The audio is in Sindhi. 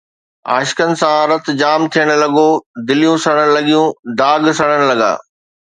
عاشقن سان رت جام ٿيڻ لڳو، دليون سڙڻ لڳيون، داغ سڙڻ لڳا